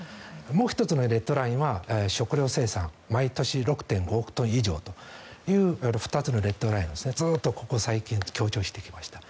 もう１つのレッドラインは食料生産毎年６．５億トン以上という２つのレッドラインをずっとここ最近強調してきました。